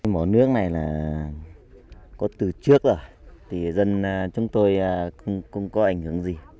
món nước này là có từ trước rồi thì dân chúng tôi không có ảnh hưởng gì